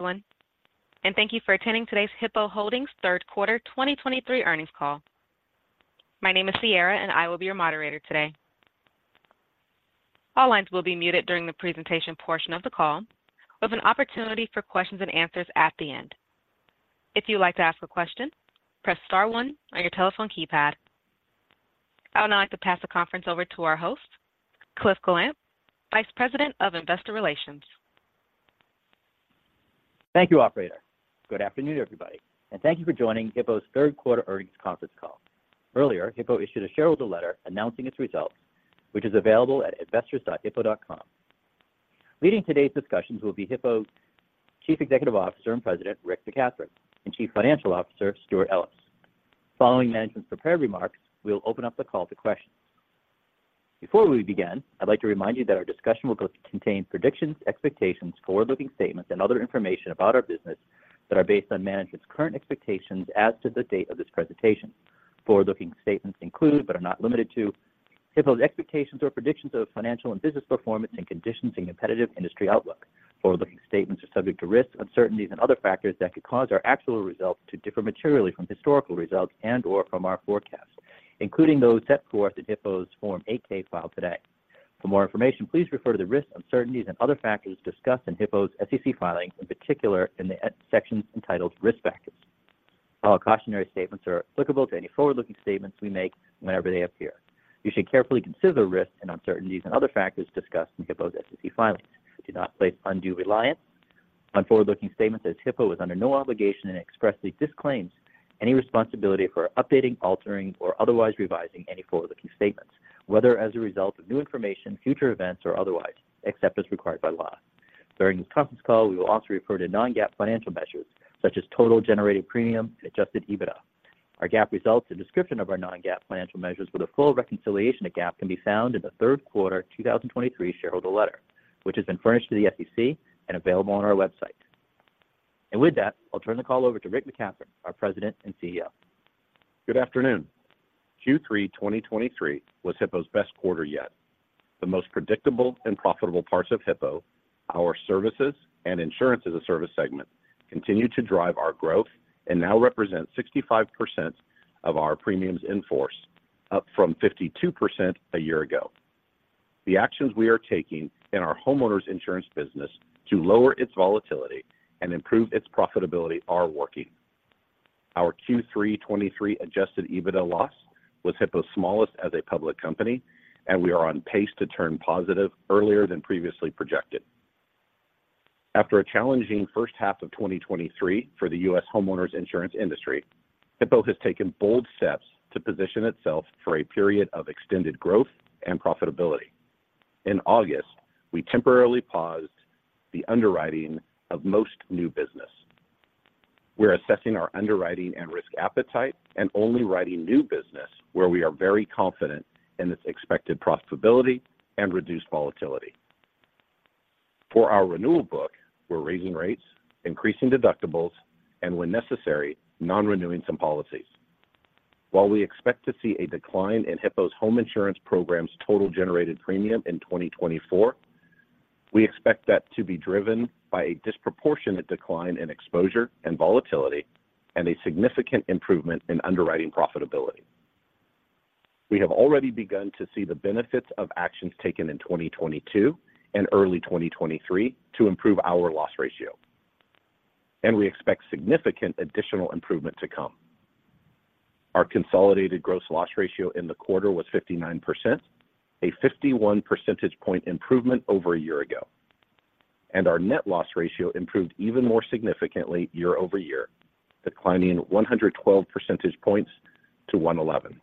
Everyone, and thank you for attending today's Hippo Holdings Third Quarter 2023 earnings call. My name is Sierra, and I will be your moderator today. All lines will be muted during the presentation portion of the call, with an opportunity for questions and answers at the end. If you'd like to ask a question, press star one on your telephone keypad. I would now like to pass the conference over to our host, Cliff Gallant, Vice President of Investor Relations. Thank you, operator. Good afternoon, everybody, and thank you for joining Hippo's third quarter earnings conference call. Earlier, Hippo issued a shareholder letter announcing its results, which is available at investors.hippo.com. Leading today's discussions will be Hippo's Chief Executive Officer and President, Rick McCathron, and Chief Financial Officer, Stewart Ellis. Following management's prepared remarks, we'll open up the call to questions. Before we begin, I'd like to remind you that our discussion will contain predictions, expectations, forward-looking statements, and other information about our business that are based on management's current expectations as to the date of this presentation. Forward-looking statements include, but are not limited to, Hippo's expectations or predictions of financial and business performance and conditions and competitive industry outlook. Forward-looking statements are subject to risks, uncertainties, and other factors that could cause our actual results to differ materially from historical results and/or from our forecasts, including those set forth in Hippo's Form 8-K filed today. For more information, please refer to the risks, uncertainties, and other factors discussed in Hippo's SEC filings, in particular in the sections entitled "Risk Factors." All cautionary statements are applicable to any forward-looking statements we make whenever they appear. You should carefully consider the risks and uncertainties and other factors discussed in Hippo's SEC filings. Do not place undue reliance on forward-looking statements, as Hippo is under no obligation and expressly disclaims any responsibility for updating, altering, or otherwise revising any forward-looking statements, whether as a result of new information, future events, or otherwise, except as required by law. During this conference call, we will also refer to non-GAAP financial measures, such as Total Generated Premium and Adjusted EBITDA. Our GAAP results and description of our non-GAAP financial measures with a full reconciliation to GAAP can be found in the third quarter 2023 shareholder letter, which has been furnished to the SEC and available on our website. And with that, I'll turn the call over to Rick McCathron, our President and CEO. Good afternoon. Q3 2023 was Hippo's best quarter yet. The most predictable and profitable parts of Hippo, our Services and Insurance-as-a-Service segment, continue to drive our growth and now represent 65% of our premiums in force, up from 52% a year ago. The actions we are taking in our homeowners insurance business to lower its volatility and improve its profitability are working. Our Q3 2023 Adjusted EBITDA loss was Hippo's smallest as a public company, and we are on pace to turn positive earlier than previously projected. After a challenging first half of 2023 for the U.S. homeowners insurance industry, Hippo has taken bold steps to position itself for a period of extended growth and profitability. In August, we temporarily paused the underwriting of most new business. We're assessing our underwriting and risk appetite and only writing new business where we are very confident in its expected profitability and reduced volatility. For our renewal book, we're raising rates, increasing deductibles, and when necessary, non-renewing some policies. While we expect to see a decline in Hippo Home Insurance Program's Total Generated Premium in 2024, we expect that to be driven by a disproportionate decline in exposure and volatility and a significant improvement in underwriting profitability. We have already begun to see the benefits of actions taken in 2022 and early 2023 to improve our loss ratio, and we expect significant additional improvement to come. Our consolidated gross loss ratio in the quarter was 59%, a 51 percentage point improvement over a year ago, and our net loss ratio improved even more significantly year-over-year, declining 112 percentage points to 111.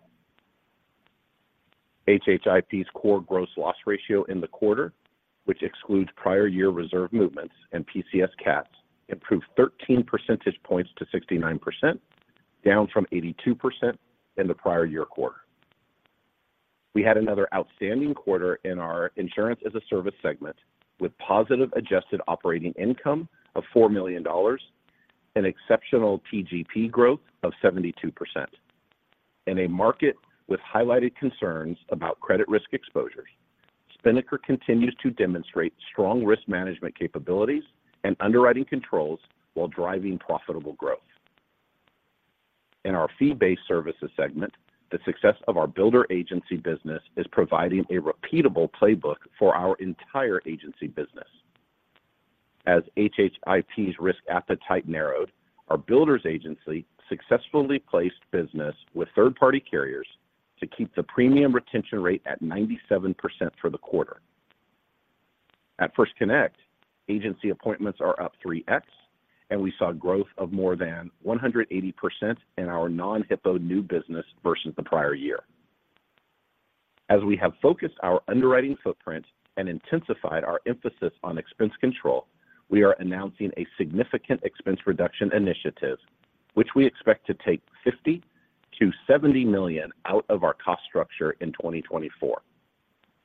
HHIP's core gross loss ratio in the quarter, which excludes prior year reserve movements and PCS CATs, improved 13 percentage points to 69%, down from 82% in the prior-year quarter. We had another outstanding quarter in our Insurance as a Service segment, with positive adjusted operating income of $4 million, an exceptional PGP growth of 72%. In a market with highlighted concerns about credit risk exposures, Spinnaker continues to demonstrate strong risk management capabilities and underwriting controls while driving profitable growth. In our fee-based Services segment, the success of our builder agency business is providing a repeatable playbook for our entire agency business. As HHIP's risk appetite narrowed, our builders agency successfully placed business with third-party carriers to keep the premium retention rate at 97% for the quarter. At First Connect, agency appointments are up 3x, and we saw growth of more than 180% in our non-Hippo new business versus the prior year. As we have focused our underwriting footprint and intensified our emphasis on expense control, we are announcing a significant expense reduction initiative, which we expect to take $50 million-$70 million out of our cost structure in 2024.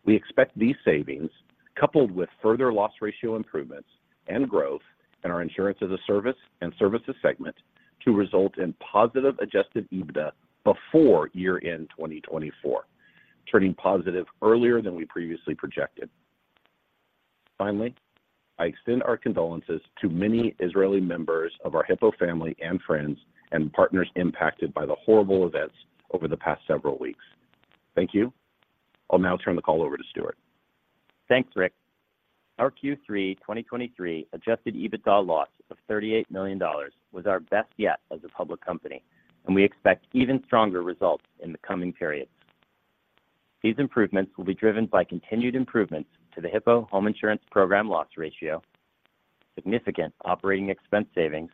We expect these savings, coupled with further loss ratio improvements and growth in our Insurance as a Service and Services segment, to result in positive adjusted EBITDA before year-end 2024, turning positive earlier than we previously projected. Finally, I extend our condolences to many Israeli members of our Hippo family and friends and partners impacted by the horrible events over the past several weeks. Thank you. I'll now turn the call over to Stewart. Thanks, Rick. Our Q3 2023 Adjusted EBITDA loss of $38 million was our best yet as a public company, and we expect even stronger results in the coming periods. These improvements will be driven by continued improvements to the Hippo Home Insurance Program loss ratio, significant operating expense savings,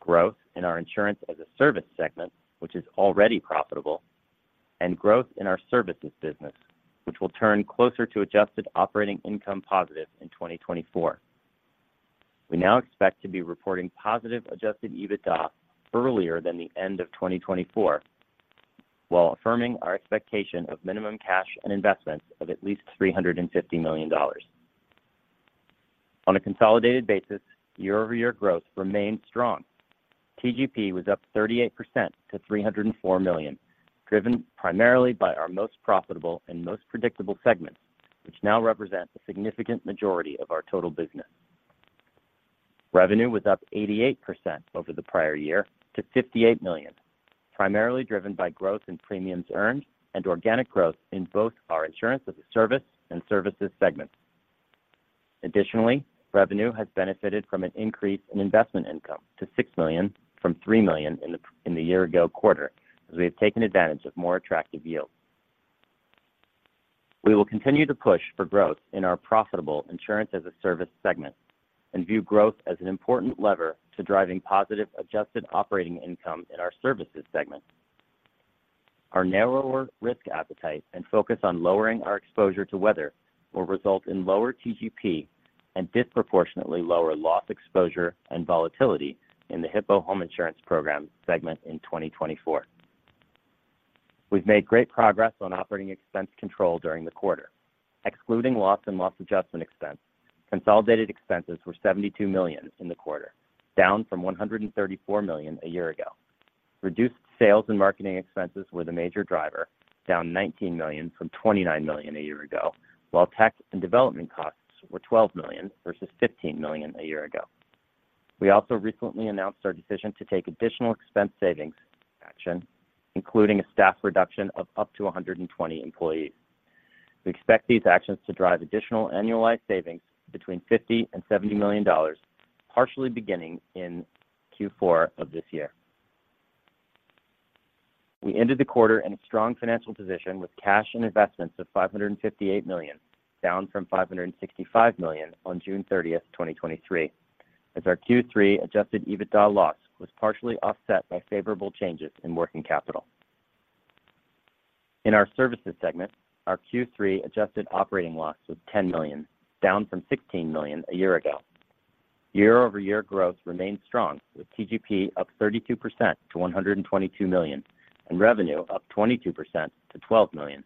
growth in our Insurance-as-a-Service segment, which is already profitable, and growth in our services business, which will turn closer to Adjusted Operating Income positive in 2024. We now expect to be reporting positive Adjusted EBITDA earlier than the end of 2024, while affirming our expectation of minimum cash and investments of at least $350 million. On a consolidated basis, year-over-year growth remained strong. TGP was up 38% to $304 million, driven primarily by our most profitable and most predictable segments, which now represent a significant majority of our total business. Revenue was up 88% over the prior year to $58 million, primarily driven by growth in premiums earned and organic growth in both our insurance as a service and services segment. Additionally, revenue has benefited from an increase in investment income to $6 million-$3 million in the year ago quarter, as we have taken advantage of more attractive yields. We will continue to push for growth in our profitable insurance as a service segment and view growth as an important lever to driving positive Adjusted Operating Income in our services segment. Our narrower risk appetite and focus on lowering our exposure to weather will result in lower TGP and disproportionately lower loss exposure and volatility in the Hippo Home Insurance Program segment in 2024. We've made great progress on operating expense control during the quarter. Excluding loss and loss adjustment expense, consolidated expenses were $72 million in the quarter, down from $134 million a year ago. Reduced sales and marketing expenses were the major driver, down $19 million from $29 million a year ago, while tech and development costs were $12 million versus $15 million a year ago. We also recently announced our decision to take additional expense savings action, including a staff reduction of up to 120 employees. We expect these actions to drive additional annualized savings between $50-$70 million, partially beginning in Q4 of this year. We ended the quarter in a strong financial position with cash and investments of $558 million, down from $565 million on June 30, 2023, as our Q3 adjusted EBITDA loss was partially offset by favorable changes in working capital. In our services segment, our Q3 adjusted operating loss was $10 million, down from $16 million a year ago. Year-over-year growth remained strong, with TGP up 32%-$122 million and revenue up 22%-$12 million.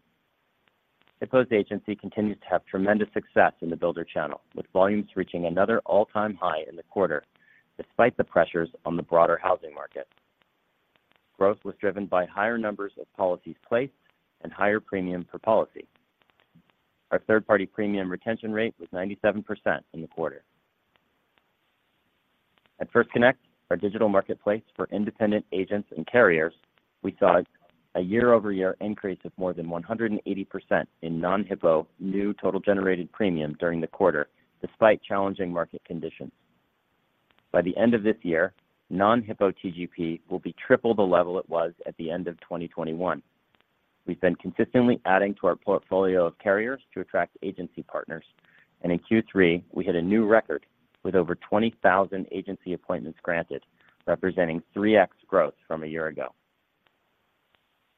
Hippo's agency continues to have tremendous success in the builder channel, with volumes reaching another all-time high in the quarter, despite the pressures on the broader housing market. Growth was driven by higher numbers of policies placed and higher premium per policy. Our third-party premium retention rate was 97% in the quarter. At First Connect, our digital marketplace for independent agents and carriers, we saw a year-over-year increase of more than 180% in non-Hippo new Total Generated Premium during the quarter, despite challenging market conditions. By the end of this year, non-Hippo TGP will be triple the level it was at the end of 2021. We've been consistently adding to our portfolio of carriers to attract agency partners, and in Q3, we hit a new record with over 20,000 agency appointments granted, representing 3x growth from a year ago.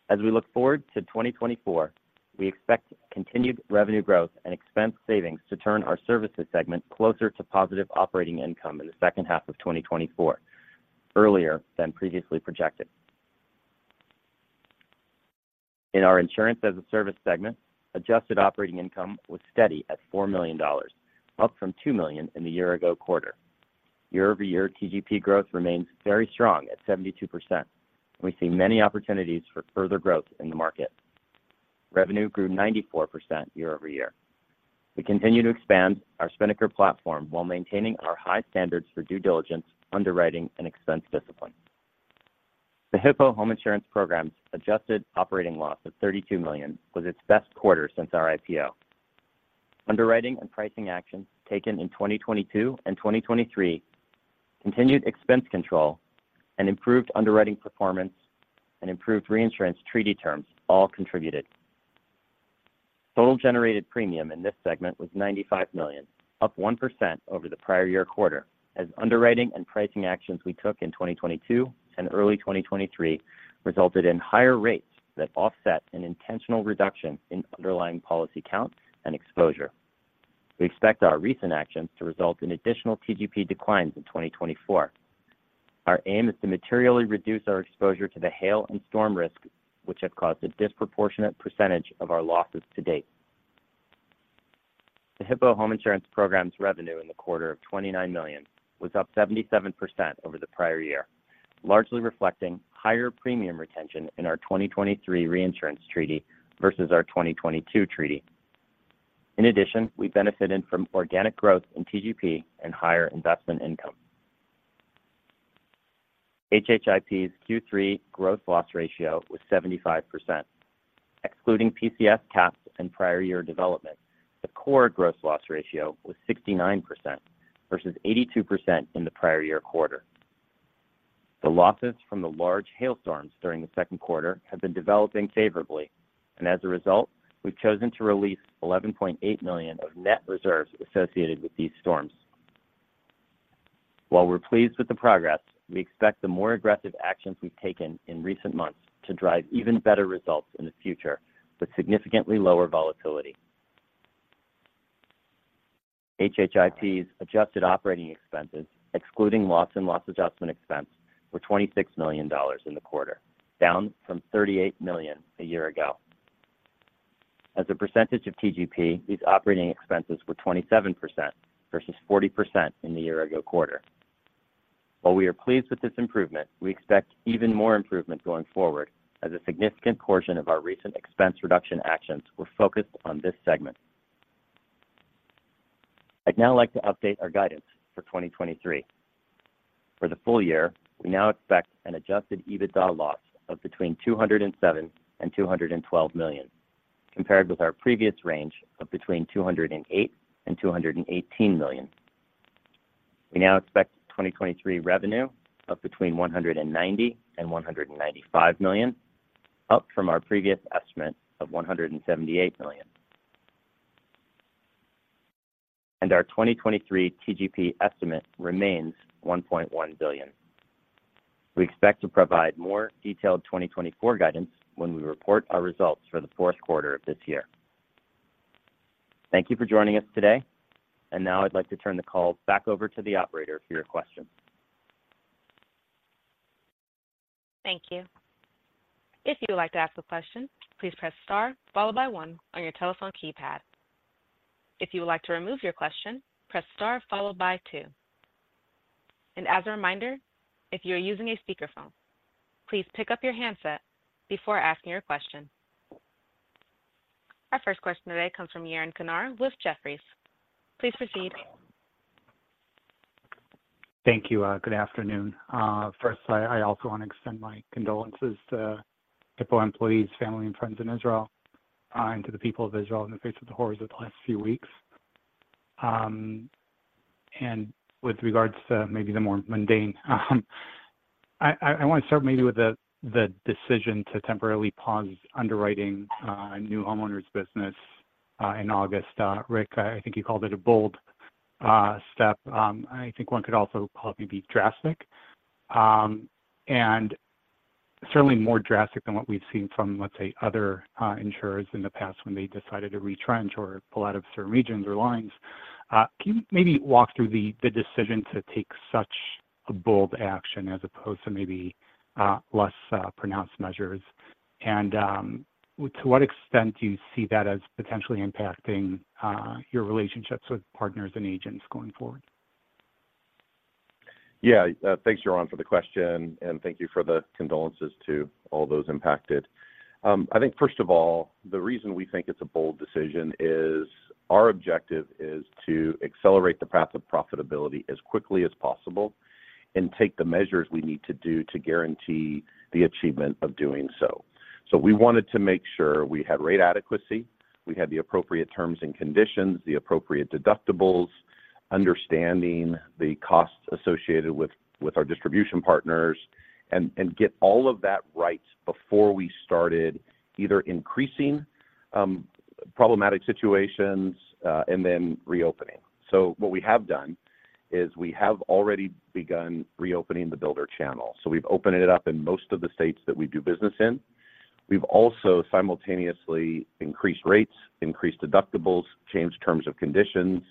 As we look forward to 2024, we expect continued revenue growth and expense savings to turn our services segment closer to positive operating income in the second half of 2024, earlier than previously projected. In our Insurance-as-a-Service segment, adjusted operating income was steady at $4 million, up from $2 million in the year-ago quarter. Year-over-year TGP growth remains very strong at 72%. We see many opportunities for further growth in the market. Revenue grew 94% year-over-year. We continue to expand our Spinnaker platform while maintaining our high standards for due diligence, underwriting, and expense discipline. The Hippo Home Insurance Program's adjusted operating loss of $32 million was its best quarter since our IPO. Underwriting and pricing actions taken in 2022 and 2023, continued expense control and improved underwriting performance and improved reinsurance treaty terms all contributed. Total generated premium in this segment was $95 million, up 1% over the prior year quarter, as underwriting and pricing actions we took in 2022 and early 2023 resulted in higher rates that offset an intentional reduction in underlying policy count and exposure. We expect our recent actions to result in additional TGP declines in 2024. Our aim is to materially reduce our exposure to the hail and storm risk, which have caused a disproportionate percentage of our losses to date. The Hippo Home Insurance Program's revenue in the quarter of $29 million was up 77% over the prior year, largely reflecting higher premium retention in our 2023 reinsurance treaty versus our 2022 treaty. In addition, we benefited from organic growth in TGP and higher investment income. HHIP's Q3 gross loss ratio was 75%. Excluding PCS CATs and prior year development, the Core Gross Loss Ratio was 69% versus 82% in the prior year quarter. The losses from the large hailstorms during the second quarter have been developing favorably, and as a result, we've chosen to release $11.8 million of net reserves associated with these storms. While we're pleased with the progress, we expect the more aggressive actions we've taken in recent months to drive even better results in the future, but significantly lower volatility. HHIP's adjusted operating expenses, excluding loss and loss adjustment expense, were $26 million in the quarter, down from $38 million a year ago. As a percentage of TGP, these operating expenses were 27% versus 40% in the year ago quarter. While we are pleased with this improvement, we expect even more improvement going forward as a significant portion of our recent expense reduction actions were focused on this segment. I'd now like to update our guidance for 2023. For the full year, we now expect an Adjusted EBITDA loss of between $207-$212 million, compared with our previous range of between $208-$218 million. We now expect 2023 revenue of between $190-$195 million, up from our previous estimate of $178 million. Our 2023 TGP estimate remains $1.1 billion. We expect to provide more detailed 2024 guidance when we report our results for the fourth quarter of this year. Thank you for joining us today. Now I'd like to turn the call back over to the operator for your questions. Thank you. If you would like to ask a question, please press Star, followed by one on your telephone keypad. If you would like to remove your question, press Star followed by two. As a reminder, if you are using a speakerphone, please pick up your handset before asking your question. Our first question today comes from Yaron Kinar with Jefferies. Please proceed. Thank you. Good afternoon. First, I also want to extend my condolences to Hippo employees, family, and friends in Israel, and to the people of Israel in the face of the horrors of the last few weeks. And with regards to maybe the more mundane, I want to start maybe with the decision to temporarily pause underwriting new homeowners business in August. Rick, I think you called it a bold step. I think one could also probably be drastic, and certainly more drastic than what we've seen from, let's say, other insurers in the past when they decided to retrench or pull out of certain regions or lines. Can you maybe walk through the decision to take such a bold action as opposed to maybe less pronounced measures? To what extent do you see that as potentially impacting your relationships with partners and agents going forward? Yeah, thanks Yaron, for the question, and thank you for the condolences to all those impacted. I think, first of all, the reason we think it's a bold decision is our objective is to accelerate the path of profitability as quickly as possible and take the measures we need to do to guarantee the achievement of doing so. So we wanted to make sure we had rate adequacy, we had the appropriate terms and conditions, the appropriate deductibles, understanding the costs associated with our distribution partners, and get all of that right before we started either increasing problematic situations and then reopening. So what we have done is we have already begun reopening the builder channel. So we've opened it up in most of the states that we do business in. We've also simultaneously increased rates, increased deductibles, changed terms of conditions,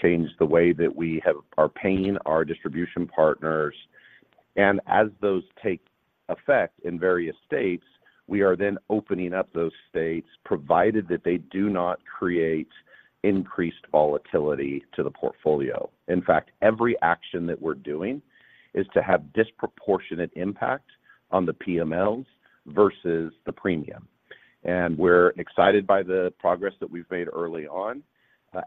changed the way that we are paying our distribution partners. As those take effect in various states, we are then opening up those states, provided that they do not create increased volatility to the portfolio. In fact, every action that we're doing is to have disproportionate impact on the PMLs versus the premium. We're excited by the progress that we've made early on.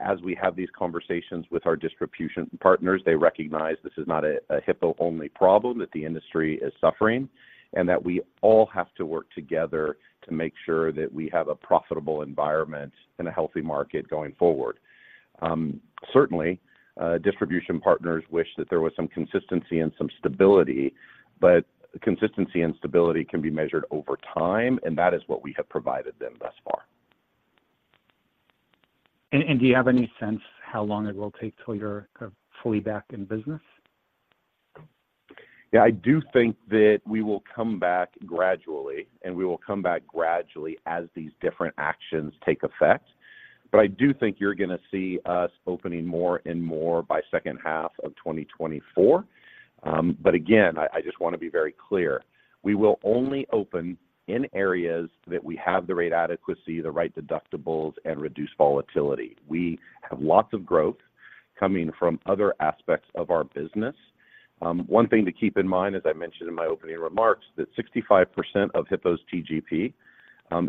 As we have these conversations with our distribution partners, they recognize this is not a Hippo only problem, that the industry is suffering, and that we all have to work together to make sure that we have a profitable environment and a healthy market going forward. Certainly, distribution partners wish that there was some consistency and some stability, but consistency and stability can be measured over time, and that is what we have provided them thus far. Do you have any sense how long it will take till you're fully back in business? Yeah, I do think that we will come back gradually, and we will come back gradually as these different actions take effect. But I do think you're going to see us opening more and more by second half of 2024. But again, I just want to be very clear, we will only open in areas that we have the right adequacy, the right deductibles, and reduced volatility. We have lots of growth coming from other aspects of our business. One thing to keep in mind, as I mentioned in my opening remarks, that 65% of Hippo's TGP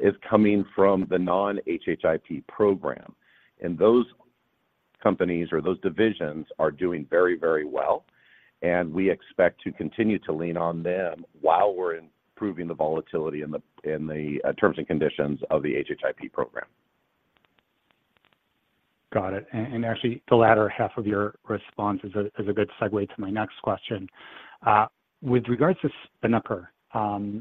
is coming from the non-HHIP program. And those companies or those divisions are doing very, very well, and we expect to continue to lean on them while we're improving the volatility in the terms and conditions of the HHIP program. Got it. And actually, the latter half of your response is a good segue to my next question. With regards to Spinnaker, do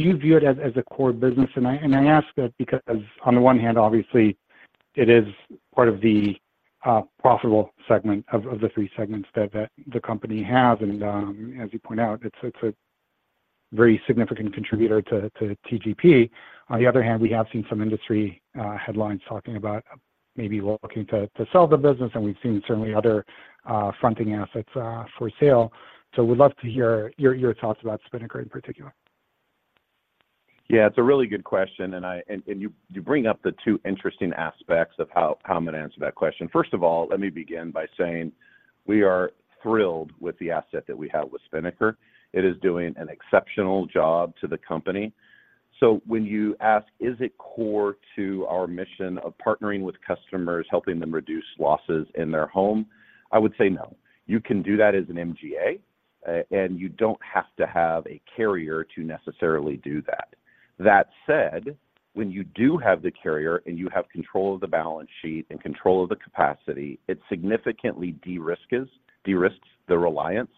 you view it as a core business? And I ask that because on the one hand, obviously, it is part of the profitable segment of the three segments that the company has. And, as you point out, it's a very significant contributor to TGP. On the other hand, we have seen some industry headlines talking about maybe looking to sell the business, and we've seen certainly other fronting assets for sale. So we'd love to hear your thoughts about Spinnaker in particular. Yeah, it's a really good question, and you bring up the two interesting aspects of how I'm going to answer that question. First of all, let me begin by saying we are thrilled with the asset that we have with Spinnaker. It is doing an exceptional job to the company. So when you ask, is it core to our mission of partnering with customers, helping them reduce losses in their home? I would say no. You can do that as an MGA, and you don't have to have a carrier to necessarily do that. That said, when you do have the carrier and you have control of the balance sheet and control of the capacity, it significantly de-risks the reliance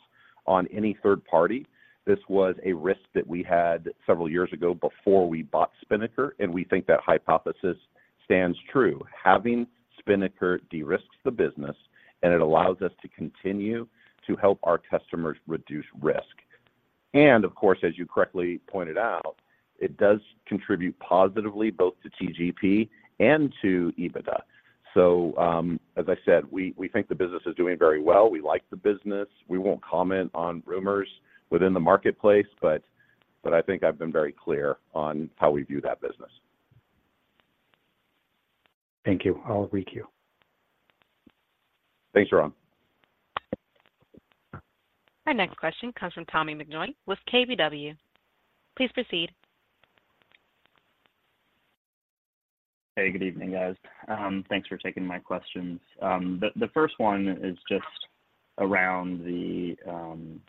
on any third party. This was a risk that we had several years ago before we bought Spinnaker, and we think that hypothesis stands true. Having Spinnaker de-risks the business, and it allows us to continue to help our customers reduce risk. And of course, as you correctly pointed out, it does contribute positively, both to TGP and to EBITDA. So, as I said, we think the business is doing very well. We like the business. We won't comment on rumors within the marketplace, but I think I've been very clear on how we view that business. Thank you. I'll requeue. Thanks, Ron. Our next question comes from Tommy McJunkin with KBW. Please proceed. Hey, good evening, guys. Thanks for taking my questions. The first one is just around the kind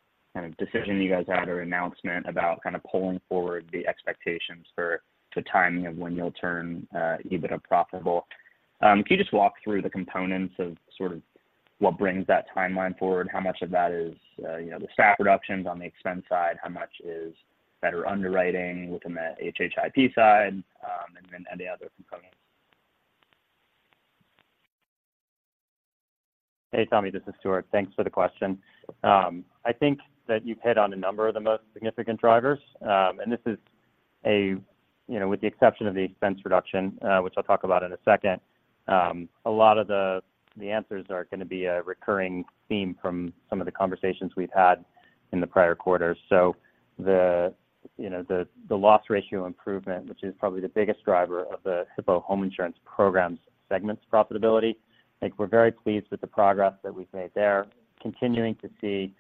of decision you guys had or announcement about kind of pulling forward the expectations for the timing of when you'll turn EBITDA profitable. Can you just walk through the components of sort of what brings that timeline forward? How much of that is you know, the staff reductions on the expense side? How much is better underwriting within the HHIP side, and any other components? Hey, Tommy, this is Stewart. Thanks for the question. I think that you've hit on a number of the most significant drivers, and this is a, you know, with the exception of the expense reduction, which I'll talk about in a second, a lot of the answers are gonna be a recurring theme from some of the conversations we've had in the prior quarters. So the, you know, the loss ratio improvement, which is probably the biggest driver of the Hippo Home Insurance Programs segment's profitability, I think we're very pleased with the progress that we've made there. Continuing to see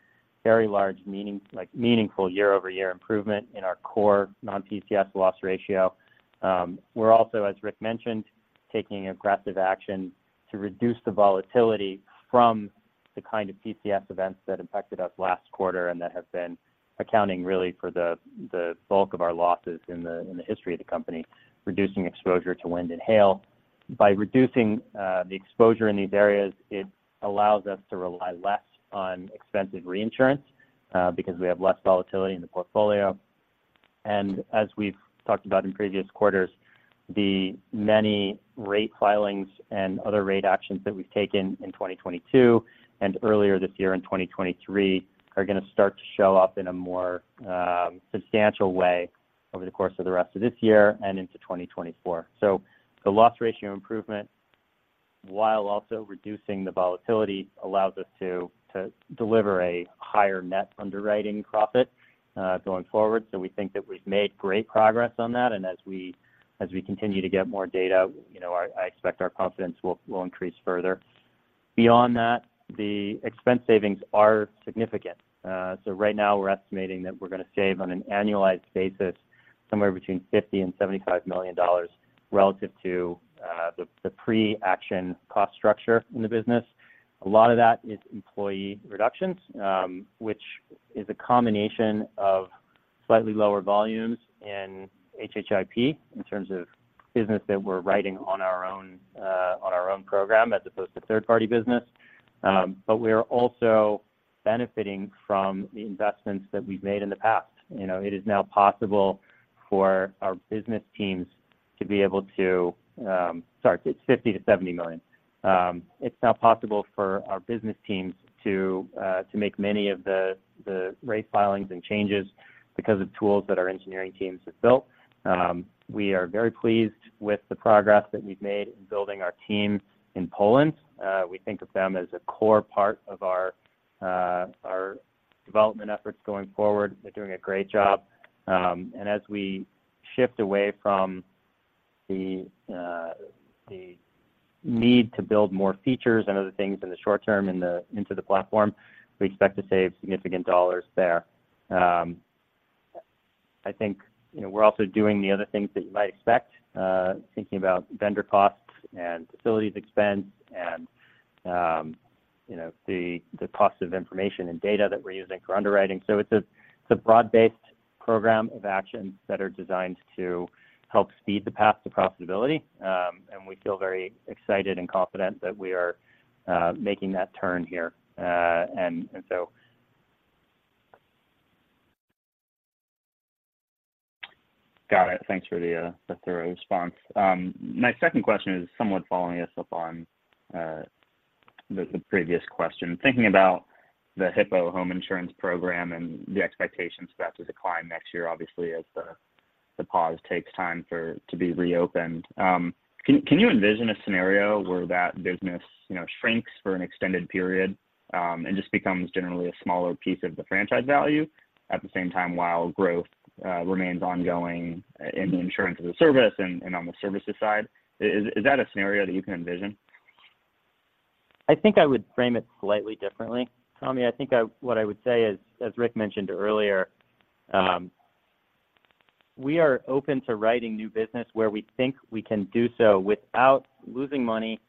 very large, meaning, like, meaningful year-over-year improvement in our core non-PCS loss ratio. We're also, as Rick mentioned, taking aggressive action to reduce the volatility from the kind of PCS events that impacted us last quarter and that have been accounting really for the bulk of our losses in the history of the company, reducing exposure to wind and hail. By reducing the exposure in these areas, it allows us to rely less on expensive reinsurance, because we have less volatility in the portfolio. And as we've talked about in previous quarters, the many rate filings and other rate actions that we've taken in 2022 and earlier this year in 2023, are gonna start to show up in a more substantial way over the course of the rest of this year and into 2024. So the loss ratio improvement, while also reducing the volatility, allows us to deliver a higher net underwriting profit going forward. So we think that we've made great progress on that, and as we continue to get more data, you know, I expect our confidence will increase further. Beyond that, the expense savings are significant. So right now we're estimating that we're gonna save on an annualized basis, somewhere between $50 million-$75 million, relative to the pre-action cost structure in the business. A lot of that is employee reductions, which is a combination of slightly lower volumes in HHIP, in terms of business that we're writing on our own program as opposed to third-party business. But we are also benefiting from the investments that we've made in the past. You know, it is now possible for our business teams to be able to. Sorry, it's $50 million-$70 million. It's now possible for our business teams to make many of the rate filings and changes because of tools that our engineering teams have built. We are very pleased with the progress that we've made in building our team in Poland. We think of them as a core part of our development efforts going forward. They're doing a great job. And as we shift away from the need to build more features and other things in the short term into the platform, we expect to save significant dollars there. I think, you know, we're also doing the other things that you might expect, thinking about vendor costs and facilities expense, and, you know, the cost of information and data that we're using for underwriting. So it's a broad-based program of actions that are designed to help speed the path to profitability. And we feel very excited and confident that we are making that turn here. And so. Got it. Thanks for the thorough response. My second question is somewhat following up on the previous question. Thinking about the Hippo Home Insurance Program and the expectations for that to decline next year, obviously, as the pause takes time to be reopened. Can you envision a scenario where that business, you know, shrinks for an extended period and just becomes generally a smaller piece of the franchise value at the same time, while growth remains ongoing in the Insurance-as-a-Service and on the services side? Is that a scenario that you can envision? I think I would frame it slightly differently, Tommy. I think what I would say is, as Rick mentioned earlier, we are open to writing new business where we think we can do so without losing money,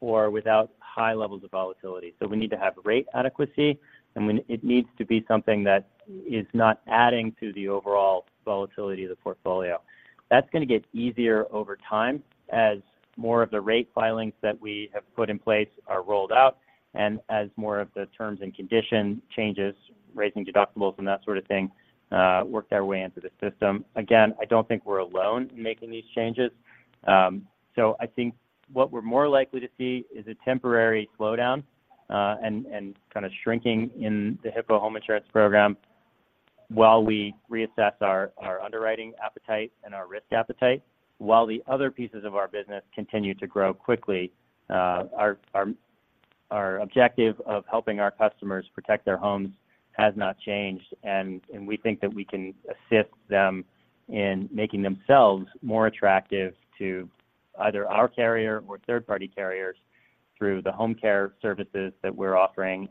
or without high levels of volatility. So we need to have rate adequacy, and it needs to be something that is not adding to the overall volatility of the portfolio. That's going to get easier over time as more of the rate filings that we have put in place are rolled out, and as more of the terms and condition changes, raising deductibles and that sort of thing, work their way into the system. Again, I don't think we're alone in making these changes. So I think what we're more likely to see is a temporary slowdown, and kind of shrinking in the Hippo Home Insurance Program while we reassess our underwriting appetite and our risk appetite. While the other pieces of our business continue to grow quickly, our objective of helping our customers protect their homes has not changed, and we think that we can assist them in making themselves more attractive to either our carrier or third-party carriers through the home care services that we're offering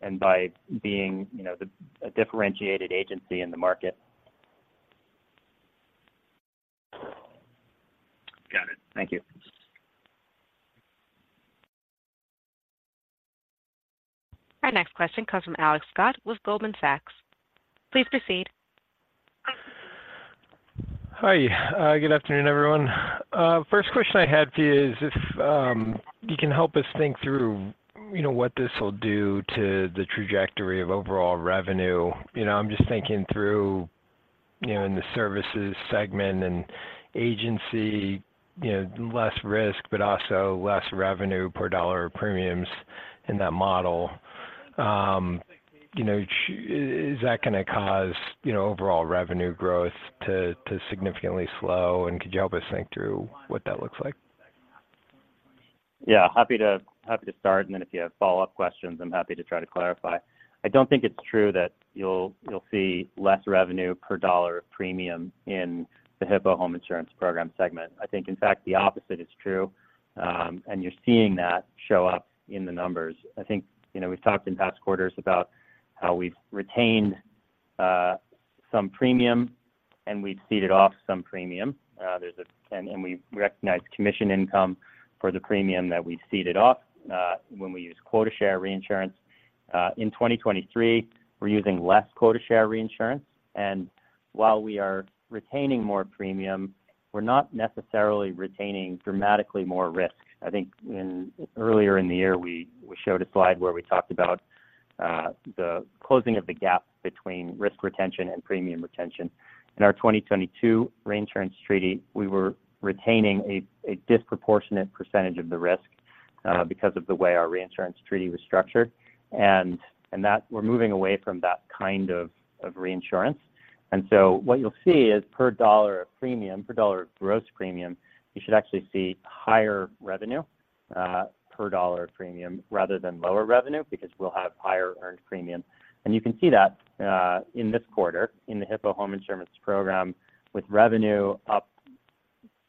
and by being, you know, a differentiated agency in the market. Got it. Thank you. Our next question comes from Alex Scott with Goldman Sachs. Please proceed. Hi. Good afternoon, everyone. First question I had is if you can help us think through, you know, what this will do to the trajectory of overall revenue. You know, I'm just thinking through, you know, in the services segment and agency, you know, less risk, but also less revenue per dollar of premiums in that model. You know, is that gonna cause, you know, overall revenue growth to significantly slow? And could you help us think through what that looks like? Yeah, happy to, happy to start, and then if you have follow-up questions, I'm happy to try to clarify. I don't think it's true that you'll see less revenue per dollar of premium in the Hippo Home Insurance Program segment. I think, in fact, the opposite is true, and you're seeing that show up in the numbers. I think, you know, we've talked in past quarters about how we've retained some premium and we've ceded off some premium. There's, and we've recognized commission income for the premium that we've ceded off, when we use quota share reinsurance. In 2023, we're using less quota share reinsurance, and while we are retaining more premium, we're not necessarily retaining dramatically more risk. I think earlier in the year, we showed a slide where we talked about the closing of the gap between risk retention and premium retention. In our 2022 reinsurance treaty, we were retaining a disproportionate percentage of the risk because of the way our reinsurance treaty was structured, and that we're moving away from that kind of reinsurance. And so what you'll see is per dollar of premium, per dollar of gross premium, you should actually see higher revenue per dollar of premium rather than lower revenue, because we'll have higher earned premium. And you can see that in this quarter in the Hippo Home Insurance Program, with revenue up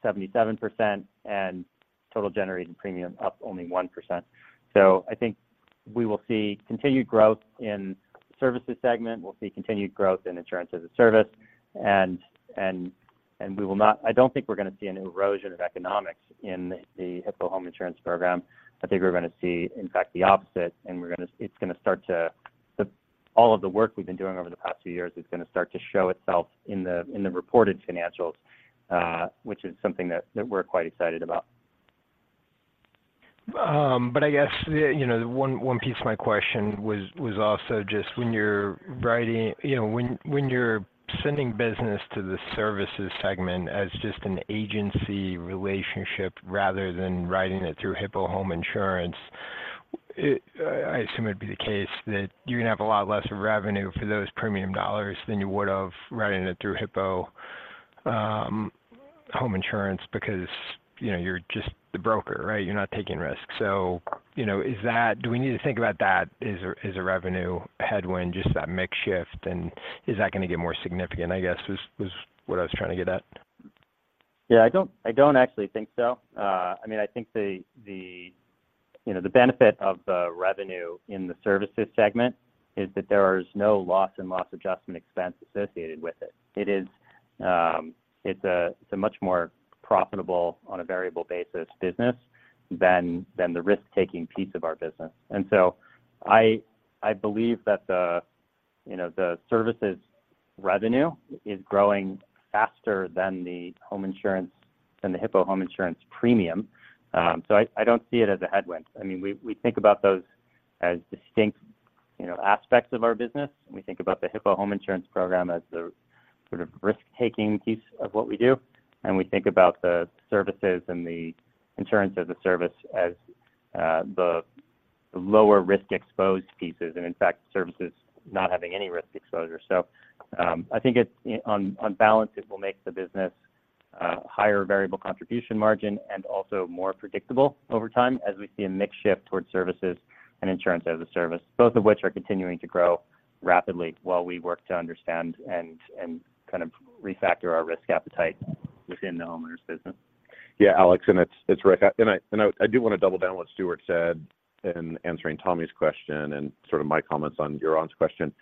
77% and Total Generated Premium up only 1%. So I think we will see continued growth in services segment, we'll see continued growth in insurance as a service, and we will not. I don't think we're going to see an erosion of economics in the Hippo Home Insurance Program. I think we're going to see, in fact, the opposite, and we're gonna. It's gonna start to. All of the work we've been doing over the past few years is gonna start to show itself in the reported financials, which is something that we're quite excited about. But I guess, you know, one, one piece of my question was, was also just when you're writing, you know, when, when you're sending business to the services segment as just an agency relationship rather than writing it through Hippo Home Insurance, it, I assume it'd be the case that you're going to have a lot less revenue for those premium dollars than you would have writing it through Hippo Home Insurance because, you know, you're just the broker, right? You're not taking risks. So, you know, is that, do we need to think about that as a, as a revenue headwind, just that mix shift, and is that going to get more significant, I guess, was, was what I was trying to get at? Yeah, I don't actually think so. I mean, I think, you know, the benefit of the revenue in the services segment is that there is no loss and loss adjustment expense associated with it. It is, it's a much more profitable on a variable basis business than the risk-taking piece of our business. And so I believe that, you know, the services revenue is growing faster than the home insurance, than the Hippo Home Insurance premium. So I don't see it as a headwind. I mean, we think about those as distinct, you know, aspects of our business, and we think about the Hippo Home Insurance Program as the sort of risk-taking piece of what we do, and we think about the services and the Insurance-as-a-Service, as the lower risk exposed pieces, and in fact, services not having any risk exposure. So, I think it's on balance, it will make the business higher variable contribution margin and also more predictable over time as we see a mix shift towards services and Insurance-as-a-Service, both of which are continuing to grow rapidly while we work to understand and kind of refactor our risk appetite within the homeowner's business. Yeah, Alex, and it's Rick. And I do want to double down what Stewart said in answering Tommy's question and sort of my comments on Yaron's question.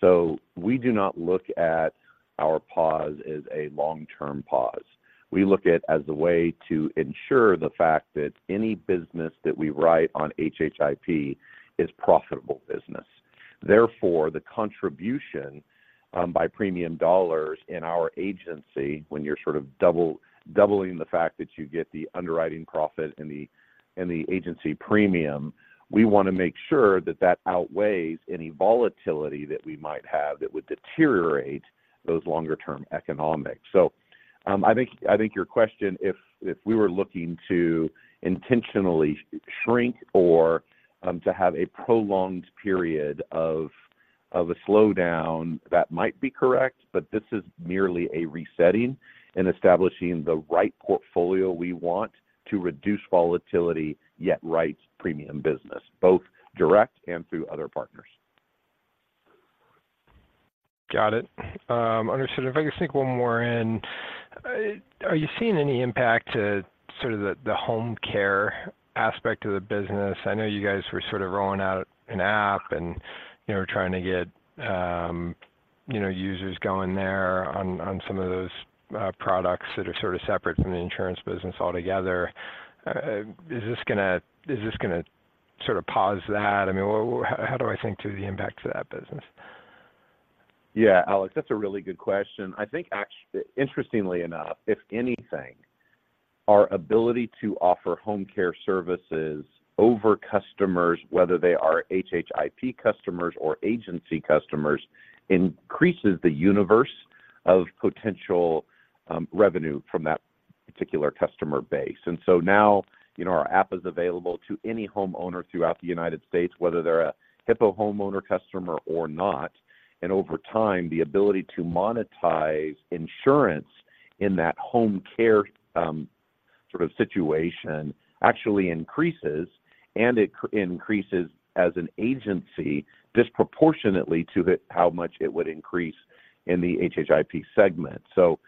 So we do not look at our pause as a long-term pause. We look at as a way to ensure the fact that any business that we write on HHIP is profitable business. Therefore, the contribution by premium dollars in our agency, when you're sort of double-doubling the fact that you get the underwriting profit and the agency premium, we want to make sure that that outweighs any volatility that we might have that would deteriorate those longer term economics. I think your question, if we were looking to intentionally shrink or to have a prolonged period of a slowdown, that might be correct, but this is merely a resetting and establishing the right portfolio we want to reduce volatility, yet write premium business, both direct and through other partners. Got it. Understood. If I could sneak one more in, are you seeing any impact to sort of the home care aspect of the business? I know you guys were sort of rolling out an app and, you know, trying to get, you know, users going there on some of those products that are sort of separate from the insurance business altogether. Is this gonna sort of pause that? I mean, how do I think to the impact to that business? Yeah, Alex, that's a really good question. I think interestingly enough, if anything, our ability to offer home care services over customers, whether they are HHIP customers or agency customers, increases the universe of potential revenue from that particular customer base. And so now, you know, our app is available to any homeowner throughout the United States, whether they're a Hippo homeowner customer or not, and over time, the ability to monetize insurance in that home care sort of situation actually increases, and it increases as an agency disproportionately to the, how much it would increase in the HHIP segment. So,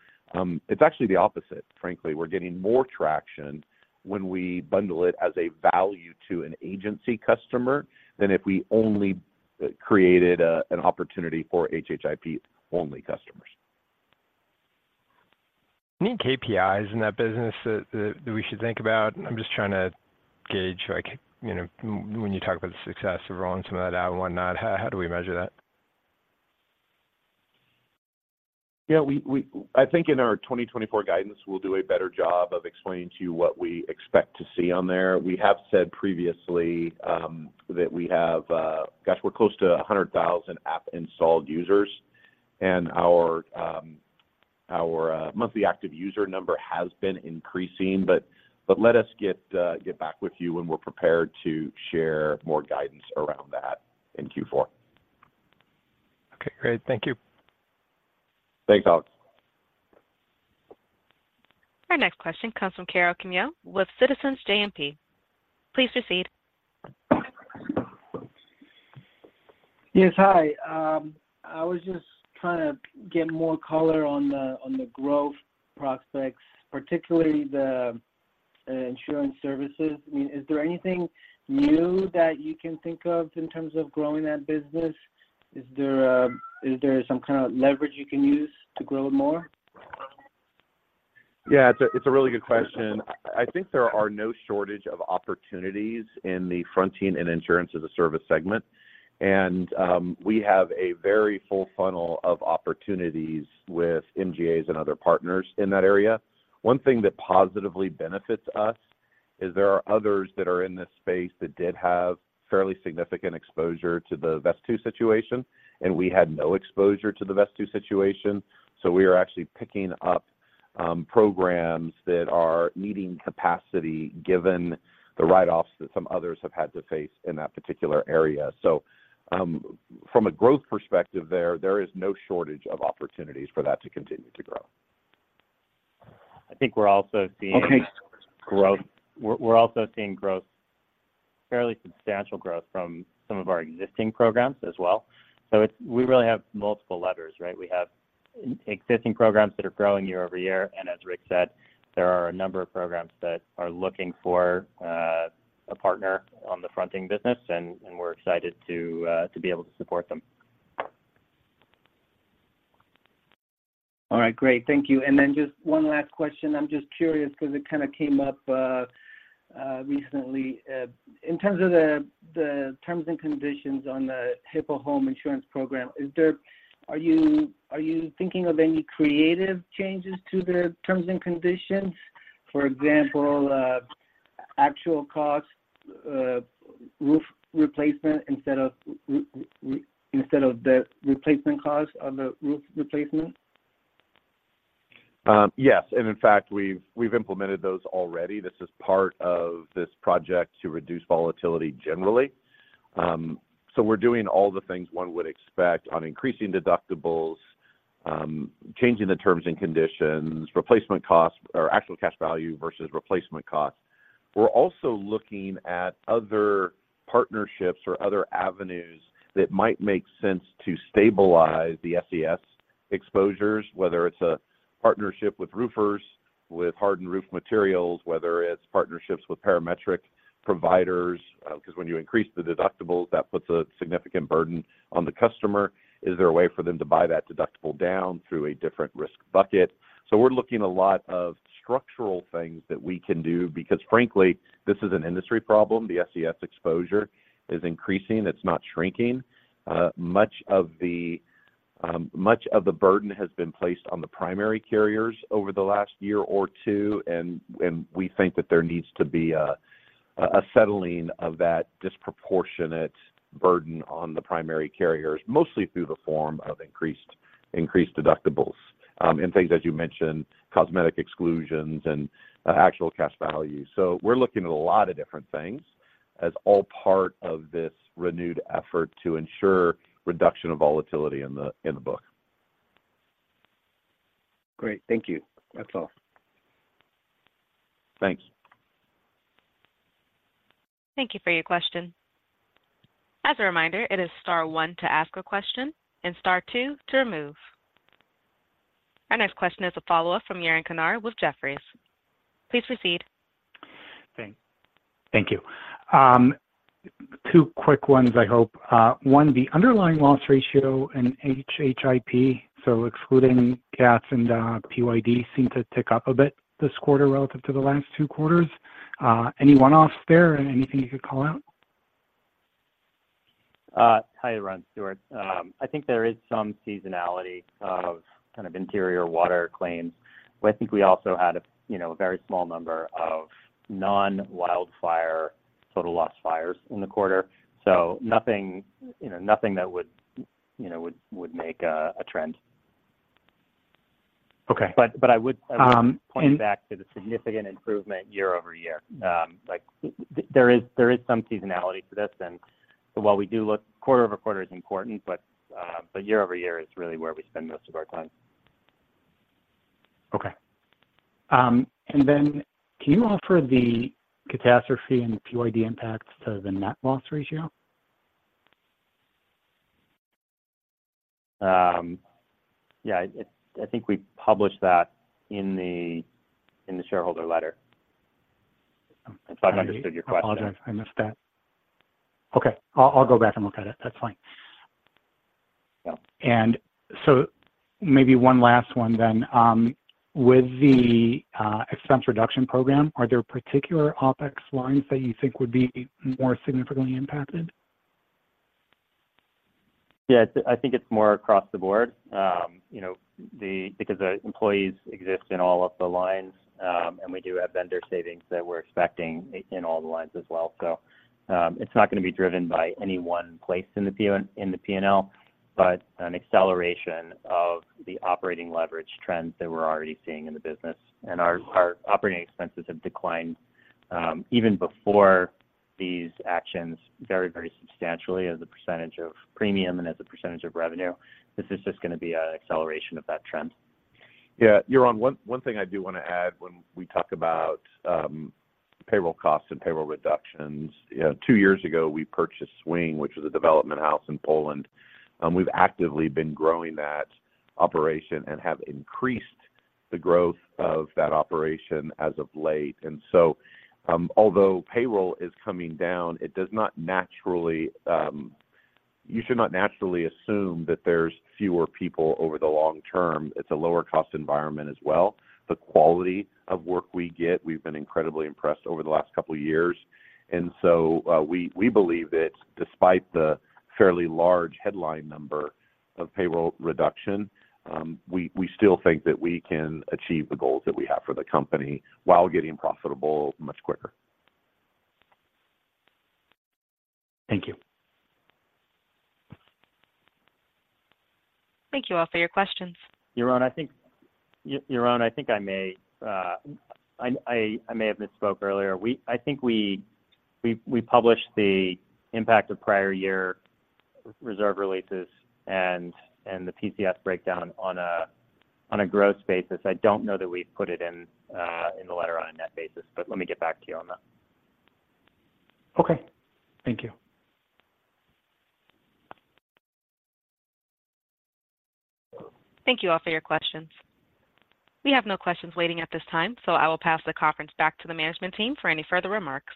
it's actually the opposite, frankly. We're getting more traction when we bundle it as a value to an agency customer than if we only created an opportunity for HHIP-only customers. Any KPIs in that business that we should think about? I'm just trying to gauge, like, you know, when you talk about the success of rolling some of that out and whatnot, how do we measure that? Yeah, I think in our 2024 guidance, we'll do a better job of explaining to you what we expect to see on there. We have said previously that we have, we're close to 100,000 app installed users, and our monthly active user number has been increasing. Let us get back with you when we're prepared to share more guidance around that in Q4. Okay, great. Thank you. Thanks, Alex. Our next question comes from Karol Chmiel with Citizens JMP. Please proceed. Yes, hi. I was just trying to get more color on the growth prospects, particularly the insurance services. I mean, is there anything new that you can think of in terms of growing that business? Is there some kind of leverage you can use to grow it more? Yeah, it's a really good question. I think there are no shortage of opportunities in the fronting and insurance as a service segment. And we have a very full funnel of opportunities with MGAs and other partners in that area. One thing that positively benefits us is there are others that are in this space that did have fairly significant exposure to the Vesttoo situation, and we had no exposure to the Vesttoo situation. So we are actually picking up programs that are needing capacity given the write-offs that some others have had to face in that particular area. So, from a growth perspective there, there is no shortage of opportunities for that to continue to grow. I think we're also seeing- Okay. Growth. We're also seeing growth, fairly substantial growth from some of our existing programs as well. So, we really have multiple levers, right? We have existing programs that are growing year over year, and as Rick said, there are a number of programs that are looking for a partner on the fronting business, and we're excited to be able to support them. All right, great. Thank you. And then just one last question. I'm just curious because it kind of came up recently. In terms of the terms and conditions on the Hippo Home Insurance Program, are you thinking of any creative changes to the terms and conditions? For example, actual cost roof replacement, instead of the replacement cost of the roof replacement? Yes, and in fact, we've implemented those already. This is part of this project to reduce volatility generally. So we're doing all the things one would expect on increasing deductibles, changing the terms and conditions, Replacement Cost or Actual Cash Value versus Replacement Cost. We're also looking at other partnerships or other avenues that might make sense to stabilize the SCS exposures, whether it's a partnership with roofers, with hardened roof materials, whether it's partnerships with parametric providers, because when you increase the deductibles, that puts a significant burden on the customer. Is there a way for them to buy that deductible down through a different risk bucket? So we're looking a lot of structural things that we can do because frankly, this is an industry problem. The SCS exposure is increasing, it's not shrinking. Much of the burden has been placed on the primary carriers over the last year or two, and we think that there needs to be a settling of that disproportionate burden on the primary carriers, mostly through the form of increased, increased deductibles, and things, as you mentioned, cosmetic exclusions and Actual Cash Value. So we're looking at a lot of different things as all part of this renewed effort to ensure reduction of volatility in the book. Great. Thank you. That's all. Thank you. Thank you for your question. As a reminder, it is star one to ask a question and star two to remove. Our next question is a follow-up from Yaron Kinar with Jefferies. Please proceed. Thanks. Thank you. Two quick ones, I hope. One, the underlying loss ratio and HHIP, so excluding CATs and PYD, seemed to tick up a bit this quarter relative to the last two quarters. Any one-offs there or anything you could call out? Hi, Yaron. Stewart. I think there is some seasonality of kind of interior water claims, but I think we also had a, you know, a very small number of non-wildfire total loss fires in the quarter. So nothing, you know, nothing that would, you know, would make a, a trend. Okay. But I would- Um, and- Point back to the significant improvement year-over-year. Like, there is, there is some seasonality to this, and while we do look, quarter-over-quarter is important, but, but year-over-year is really where we spend most of our time. Okay. And then can you offer the catastrophe and PYD impacts to the net loss ratio? Yeah, I think we published that in the shareholder letter. If I've understood your question. I apologize. I missed that. Okay, I'll, I'll go back and look at it. That's fine. Yeah. And so maybe one last one then. With the expense reduction program, are there particular OpEx lines that you think would be more significantly impacted? Yeah, I think it's more across the board. You know, because the employees exist in all of the lines, and we do have vendor savings that we're expecting in all the lines as well. So, it's not going to be driven by any one place in the P&L, but an acceleration of the operating leverage trends that we're already seeing in the business. And our operating expenses have declined, even before these actions, very, very substantially as a percentage of premium and as a percentage of revenue. This is just going to be an acceleration of that trend. Yeah. Yaron, one thing I do want to add when we talk about payroll costs and payroll reductions. You know, two years ago, we purchased Swing, which is a development house in Poland, and we've actively been growing that operation and have increased the growth of that operation as of late. And so, although payroll is coming down, it does not naturally, you should not naturally assume that there's fewer people over the long term. It's a lower cost environment as well. The quality of work we get, we've been incredibly impressed over the last couple of years. And so, we believe that despite the fairly large headline number of payroll reduction, we still think that we can achieve the goals that we have for the company while getting profitable much quicker. Thank you. Thank you all for your questions. Yaron, I think I may have misspoke earlier. I think we published the impact of prior year reserve releases and the PCS breakdown on a gross basis. I don't know that we've put it in the letter on a net basis, but let me get back to you on that. Okay. Thank you. Thank you all for your questions. We have no questions waiting at this time, so I will pass the conference back to the management team for any further remarks.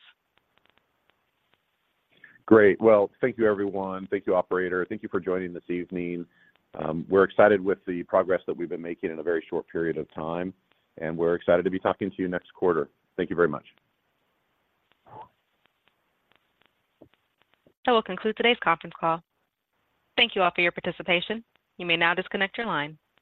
Great. Well, thank you, everyone. Thank you, operator. Thank you for joining this evening. We're excited with the progress that we've been making in a very short period of time, and we're excited to be talking to you next quarter. Thank you very much. That will conclude today's conference call. Thank you all for your participation. You may now disconnect your line.